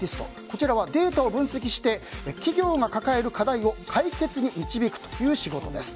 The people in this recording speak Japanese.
こちらはデータを分析して企業が抱える課題を解決に導くという仕事です。